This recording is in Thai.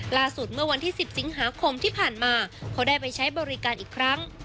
ล่าสุดเมื่อวันที่๑๐สิงหาคมที่ผ่านมาเขาได้ไปใช้บริการอีกครั้ง